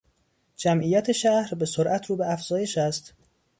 جمعیت شهر به سرعت رو به افزایش است.